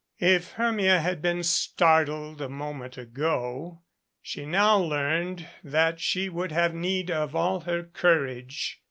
If Hermia had been startled a moment ago, she now learned that she would have need of all her courage.